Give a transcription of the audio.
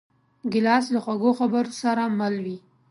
ګیلاس له خوږو خبرو سره مل وي.